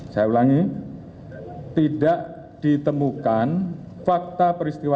saya ulangi tidak ditemukan fakta peristiwa